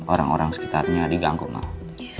orang orang sekitarnya diganggu maaf